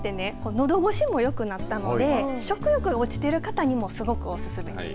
のどごしも良くなったので食欲が落ちている方にもすごくおすすめです。